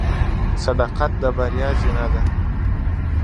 • صداقت د بریا زینه ده.